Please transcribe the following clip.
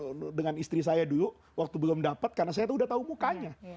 saya dengan istri saya dulu waktu belum dapat karena saya udah tahu mukanya